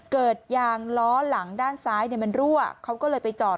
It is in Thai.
เกิดยางล้อหลังด้านซ้ายมันรั่วเขาก็เลยไปจอด